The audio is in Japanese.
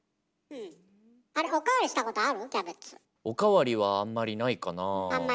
おかわりはあんまりないかなあ。